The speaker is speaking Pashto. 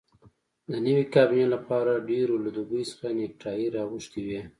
د نوې کابینې لپاره ډېرو له دوبۍ څخه نیکټایي راغوښتي وې.